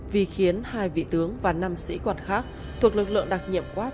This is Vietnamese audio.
vì khiến hai vị tướng và năm sĩ quản khác thuộc lực lượng đặc nhiệm quds